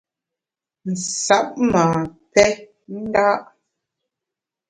Nsab ma pè nda’.